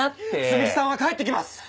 摘木さんは帰って来ます！